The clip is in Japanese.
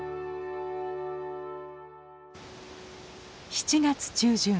７月中旬。